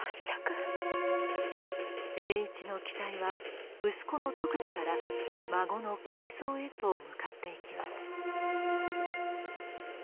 栄一の期待は息子の篤二から孫の敬三へと向かっていきます。